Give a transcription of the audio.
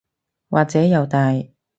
或者又大